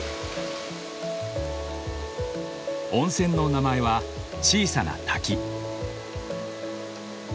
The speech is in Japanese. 温泉の名前は小さな滝。